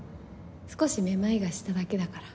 少しめまいがしただけだから。